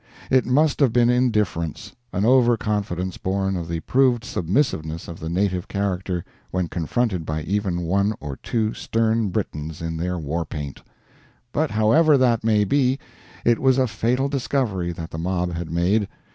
It must have been indifference, an over confidence born of the proved submissiveness of the native character, when confronted by even one or two stern Britons in their war paint. But, however that may be, it was a fatal discovery that the mob had made.